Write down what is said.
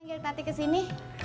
tinggal tati kesini